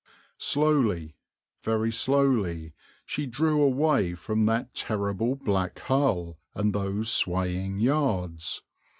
Slowly, very slowly, she drew away from that terrible black hull and those swaying yards.